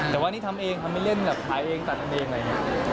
แต่ว่านี่ทำเองทำไม่เล่นแบบขายเองตัดกันเองอะไรอย่างนี้